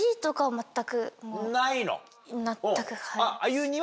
全くはい。